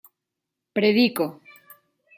predico